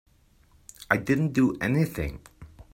I didn't do anything.